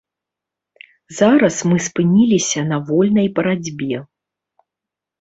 Зараз мы спыніліся на вольнай барацьбе.